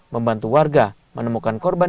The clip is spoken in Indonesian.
membantu warga menemukan korban